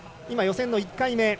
今、予選１回目。